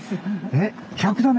えっ１００座目？